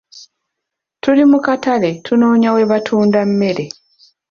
Tuli mu katale tunoonya we batunda mmere.